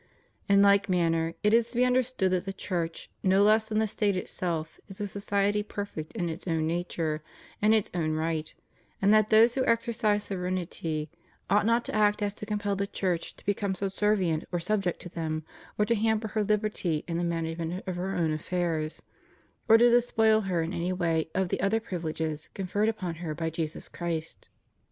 In like manner it is to be understood that the Church no less than the State itself is a society perfect in its own nature and its own right, and that those who exercise sovereignty ought not so to act as to compel the Church to become subservient or subject to them, or to hamper her liberty in the management of her own affairs, or to despoil her in any way of the other privileges conferred upon her by Jesus Christ.